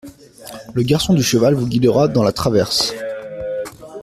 Le garçon du cheval vous guidera dans la traverse.